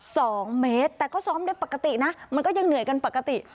สองเมตรแต่ก็ซ้อมได้ปกตินะมันก็ยังเหนื่อยกันปกติ